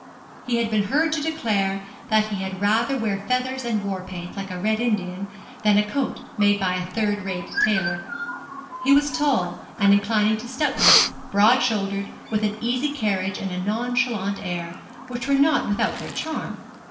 He had been heard to declare that he had rather wear feathers and war paint, like a red Indian, than a coat made by a third rate tailor. He was tall and inclining to stoutness, broad shouldered, and with an easy carriage and a nonchalant air, which were not without their charm.